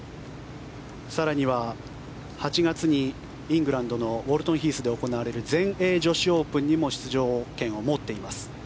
更には８月にイングランドのウォルトンヒースで行われる全英女子オープンにも出場権を持っています。